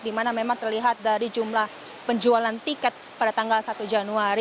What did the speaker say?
di mana memang terlihat dari jumlah penjualan tiket pada tanggal satu januari